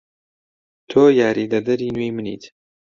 تۆ یاریدەدەری نوێی منیت.